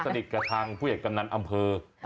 ตกตะดิฐกระทางผู้ใหญ่กำนันอำเภอ